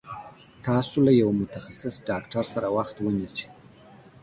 تاسو له يوه متخصص ډاکټر سره وخت ونيسي